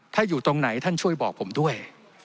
ถ้าอยู่ตรงไหนท่านช่วยบอกผมด้วย